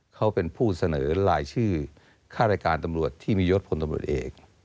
เขาเป็นผู้เสนอรายชื่อค่ารายการตำรวจที่มียศพลตำรวจเอก